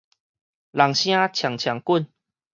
人聲沖沖滾